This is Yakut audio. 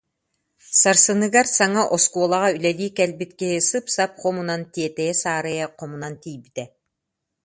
Сарсыныгар саҥа оскуолаҕа үлэлии кэлбит киһи сып-сап хомунан, тиэтэйэ-саарайа хомунан тиийбитэ